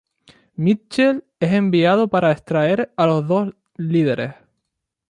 Mitchell es enviado para extraer a los dos líderes.